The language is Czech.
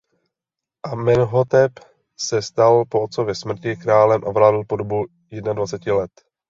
Amenhotep se stal po otcově smrti králem a vládl po dobu jednadvaceti let.